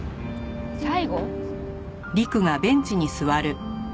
最後？